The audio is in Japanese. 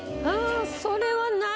それはない。